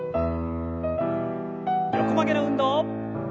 横曲げの運動。